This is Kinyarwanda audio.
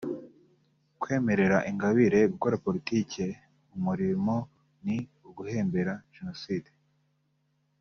Kwemerera Ingabire gukora politike umurimo ni uguhembera Jenoside